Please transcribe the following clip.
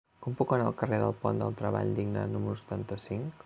Com puc anar al carrer del Pont del Treball Digne número setanta-cinc?